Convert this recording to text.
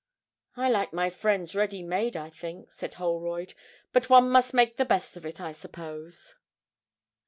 'I like my friends ready made, I think,' said Holroyd; 'but one must make the best of it, I suppose.'